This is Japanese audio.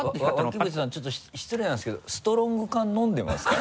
脇淵さんちょっと失礼なんですけどストロング缶飲んでますか？